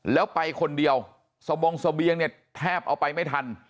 แล้วไปคนเดียวสบงเสบียงเนี่ยแทบเอาไปไม่ทัน